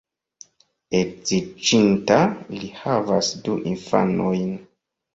Edziĝinta, li havas du infanojn.